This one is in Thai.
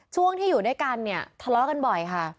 ช่วงที่อยู่ด้วยกันเนี่ยทะเลาะกันบ่อยค่ะ